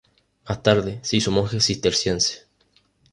Más tarde, se hizo monje cisterciense.